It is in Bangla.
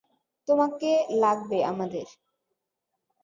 তোমাকে লাগবে আমাদের।